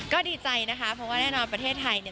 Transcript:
ก็ดีใจนะคะเพราะว่าแน่นอนประเทศไทยเนี่ย